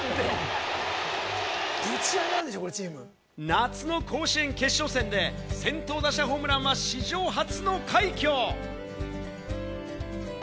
夏の甲子園決勝戦で先頭打者ホームランは史上初の快挙！